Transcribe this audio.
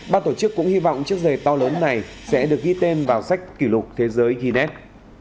ban tổ chức cũng hy vọng chiếc giày to lớn này sẽ được ghi tên vào sách kỷ lục thế giới guinde